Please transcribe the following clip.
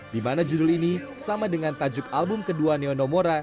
di mana judul ini sama dengan tajuk album kedua neono mora